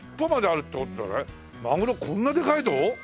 マグロこんなでかいぞ？